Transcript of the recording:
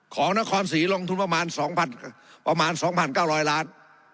ของนครศรีลงทุนประมาณ๒๙๐๐ล้าน